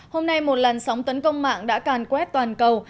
hôm nay một làn sóng tấn công mạng đã càn quét toàn cầu